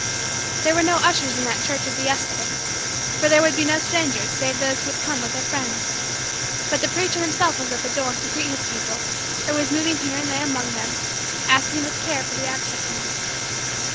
There were no ushers in that church of the Yesterdays for there would be no strangers save those who would come with their friends; but the preacher himself was at the door to greet his people or was moving here and there among them, asking with care for the absent ones.